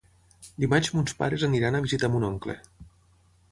Dimarts mons pares aniran a visitar mon oncle.